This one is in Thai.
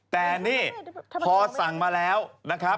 แต่นี่พอสั่งมาแล้วนะครับ